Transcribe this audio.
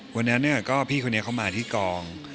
วันนั้นก็พี่คนนี้เขามาที่กอง